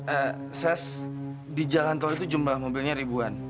eee ses di jalan tol itu jumlah mobilnya ribuan